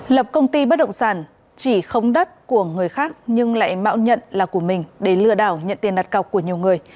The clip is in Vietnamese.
lập công ty bất động sản chỉ không đất của người khác nhưng lại mạo nhận là của mình để lừa đảo nhận tiền đặt cọc của nhiều người